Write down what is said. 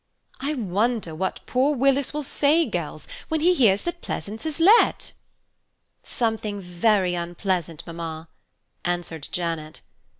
"I wonder what poor Willis will say, girls, when he hears that Pleasance is let?" "Something very unpleasant, mamma," answered Janet.